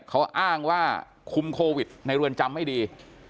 เขาอ้างว่าคุมโควิดในเรือนจำไม่ดี